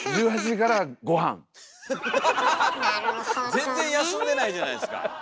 全然休んでないじゃないですか。